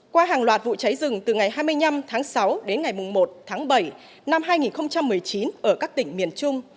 qua hàng loạt vụ cháy rừng từ ngày hai mươi năm tháng sáu đến ngày một tháng bảy năm hai nghìn một mươi chín ở các tỉnh miền trung